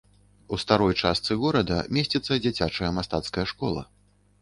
У старой частцы горада месціцца дзіцячая мастацкая школа.